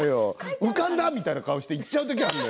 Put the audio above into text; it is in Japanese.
浮かんだみたいな顔して言っちゃう時があるのよ。